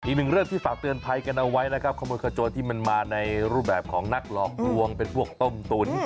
อีกหนึ่งเรื่องที่ฝากเตือนภัยกันเอาไว้นะครับขโมยขโจรที่มันมาในรูปแบบของนักหลอกลวงเป็นพวกต้มตุ๋น